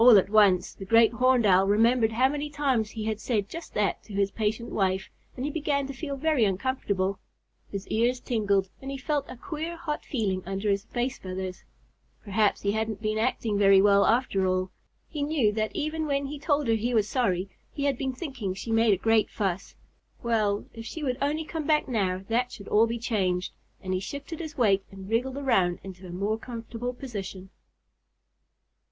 All at once the Great Horned Owl remembered how many times he had said just that to his patient wife, and he began to feel very uncomfortable. His ears tingled and he felt a queer hot feeling under his face feathers. Perhaps he hadn't been acting very well after all! He knew that even when he told her he was sorry, he had been thinking she made a great fuss. Well, if she would only come back now, that should all be changed, and he shifted his weight and wriggled around into a more comfortable position.